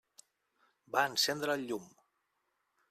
Va encendre el llum.